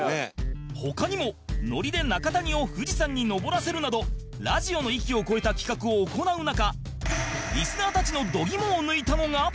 他にもノリで中谷を富士山に登らせるなどラジオの域を超えた企画を行う中リスナーたちの度肝を抜いたのが